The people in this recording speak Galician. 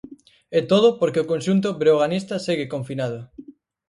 E todo porque o conxunto breoganista segue confinado.